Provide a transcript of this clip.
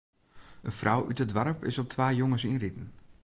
In frou út it doarp is op twa jonges ynriden.